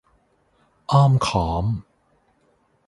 อ้อมค้อม